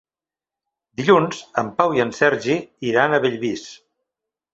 Dilluns en Pau i en Sergi iran a Bellvís.